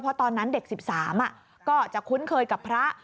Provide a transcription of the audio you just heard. เพราะตอนนั้นเด็ก๑๓ก็จะคุ้นเคยกับพระ